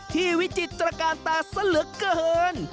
วิจิตรการตาซะเหลือเกิน